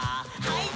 はい。